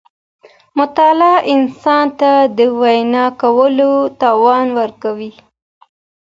مطالعه انسان ته د وینا کولو توان ورکوي.